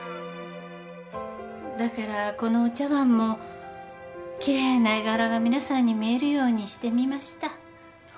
だからこのお茶わんも奇麗な絵柄が皆さんに見えるようにしてみました。